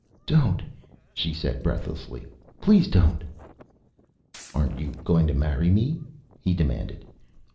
"Don't!" she said breathlessly. "Please don't!" "Aren't you going to marry me?" he demanded.